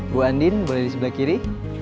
bu andin boleh di sebelah kiri